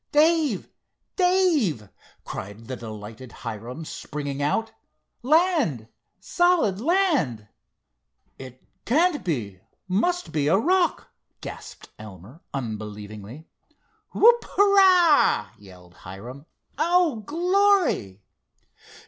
"Dave, Dave," cried the delighted Hiram, springing out. "Land, solid land!" "It can't be! Must be a rock!" gasped Elmer, unbelievingly. "Whoop! hurrah!" yelled Hiram. "Oh, glory!"